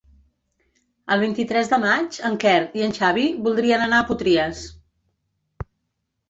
El vint-i-tres de maig en Quer i en Xavi voldrien anar a Potries.